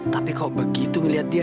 tapi kalau begitu ngeliat dia